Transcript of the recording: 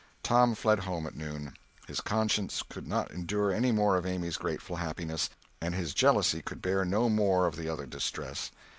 Tom fled home at noon. His conscience could not endure any more of Amy's grateful happiness, and his jealousy could bear no more of the other distress.